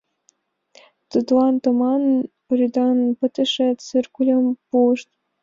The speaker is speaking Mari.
Тудлан томам, рӱдаҥ пытыше циркульым пуышт.